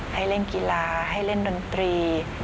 ให้เล่นกีฬาให้เล่นดนตรี